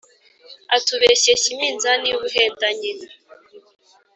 atubeshyeshya iminzani y’ubuhendanyi,